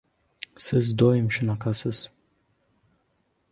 — Siz doim shunaqasiz.